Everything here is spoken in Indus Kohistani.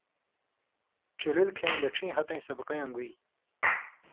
ڇیلیل کھیں دڇھیں ہتَیں سبقَیں ان٘گُوی